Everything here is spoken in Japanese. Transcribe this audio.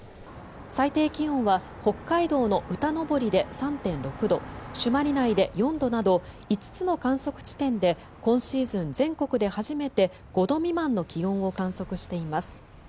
最低気温は北海道の歌登で３．６度朱鞠内で４度など５つの観測地点で今シーズン全国で初めて５度未満の気温を観測しています。